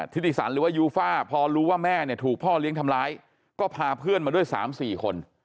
ธิติสันหรือว่ายูฟ่าพอรู้ว่าแม่เนี่ยถูกพ่อเลี้ยงทำร้ายก็พาเพื่อนมาด้วย๓๔คน